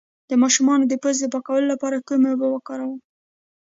د ماشوم د پوزې د پاکوالي لپاره کومې اوبه وکاروم؟